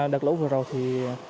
đợt lũ vừa rồi thì